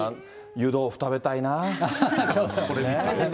湯豆腐食べたいな。